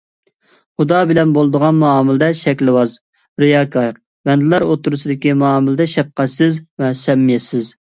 خۇدا بىلەن بولىدىغان مۇئامىلىدە شەكىلۋاز، رىياكار، بەندىلەر ئوتتۇرىسىدىكى مۇئامىلىدە شەپقەتسىز ۋە سەمىمىيەتسىز.